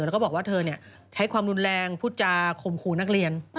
แล้วก็บอกว่าเธอใช้ความรุนแรงพูดจาคมครูนักเรียน